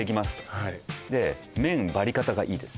はいで麺バリカタがいいです